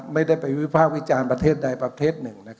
ไม่ได้ไปวิภาควิจารณ์ประเทศใดประเภทหนึ่ง